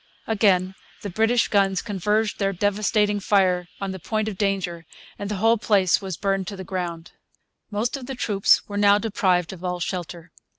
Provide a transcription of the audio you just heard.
Again the British guns converged their devastating fire on the point of danger, and the whole place was burned to the ground. Most of the troops were now deprived of all shelter.